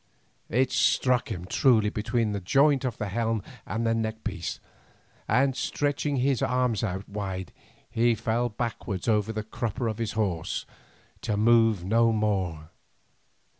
It struck him truly between the joint of his helm and neck piece, and stretching his arms out wide he fell backward over the crupper of his horse, to move no more.